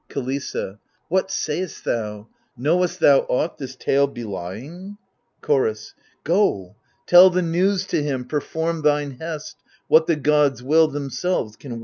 KiLISSA What say'st thou? Know'st thou aught, this talc belying ? Chorus Go, tell the news to him, perform thine best, — What the gods will, themselves can well provide.